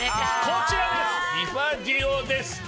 こちらです！